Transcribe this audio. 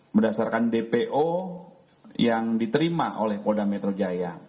berdasarkan dpo yang diterima oleh polda metro jaya